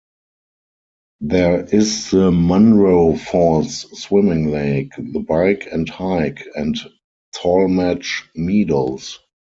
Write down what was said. There is the Munroe Falls Swimming Lake, the Bike and Hike and Tallmadge Meadows.